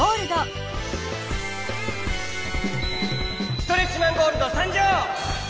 ストレッチマン・ゴールドさんじょう！